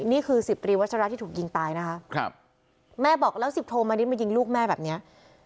นี่คือสิบตรีวัชราที่ถูกยิงตายนะคะครับแม่บอกแล้วสิบโทมานิดมายิงลูกแม่แบบเนี้ย